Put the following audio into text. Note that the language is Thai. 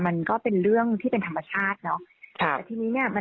มันก็เป็นเรื่องที่เป็นธรรมชาติเนาะทีนี้เนี่ย